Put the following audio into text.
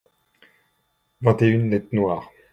vingt et une lettres noires.